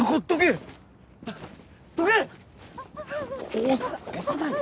押すな押さないで。